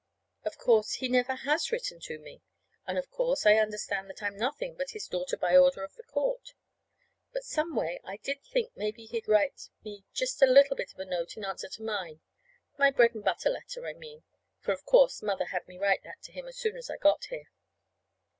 Of course, he never has written to me; and, of course, I understand that I'm nothing but his daughter by order of the court. But, some way, I did think maybe he'd write me just a little bit of a note in answer to mine my bread and butter letter, I mean; for of course, Mother had me write that to him as soon as I got here.